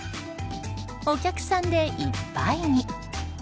お客さんでいっぱいに。